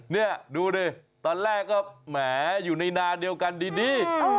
นี่ดูดิตอนแรกก็แหมอยู่ในนาเดียวกันดี